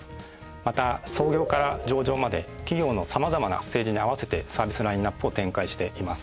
また創業から上場まで企業の様々なステージに合わせてサービスラインアップを展開しています。